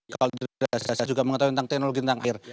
kalau tidak saya juga mengetahui tentang teknologi tentang air